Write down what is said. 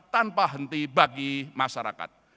tanpa henti bagi masyarakat